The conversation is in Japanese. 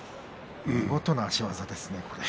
見事な足技ですね。